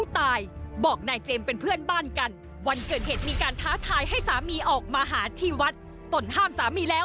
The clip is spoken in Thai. นิสัยของนายเจมส์เวลาเมาชอบหาเรื่องชาวบ้านและโวยวายทะเลาะกับเมียนักข้อถึงขนาดถือมีดเป็นขู่พระก็เคยทำมาแล้ว